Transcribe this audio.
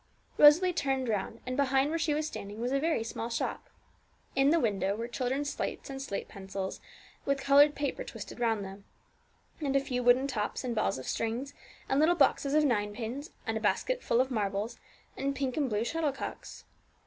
Rosalie turned round, and behind where she was standing was a very small shop. In the window were children's slates and slate pencils, with coloured paper twisted round them, and a few wooden tops, and balls of string, and little boxes of ninepins, and a basket full of marbles, and pink and blue shuttlecocks.